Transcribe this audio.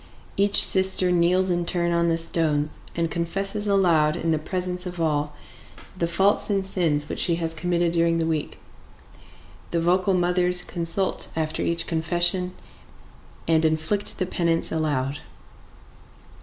Each sister kneels in turn on the stones, and confesses aloud, in the presence of all, the faults and sins which she has committed during the week. The vocal mothers consult after each confession and inflict the penance aloud.